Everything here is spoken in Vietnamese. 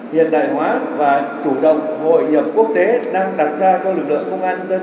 hiện đại hóa và chủ động hội nhập quốc tế đang đặt ra cho lực lượng công an nhân dân